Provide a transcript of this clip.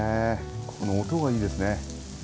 この音がいいですね。